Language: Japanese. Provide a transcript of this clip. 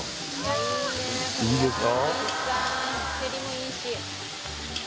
いいでしょ？